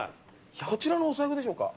こちらのお財布でしょうか？